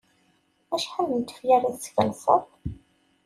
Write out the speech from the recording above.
Acḥal n tefyar i teskelseḍ?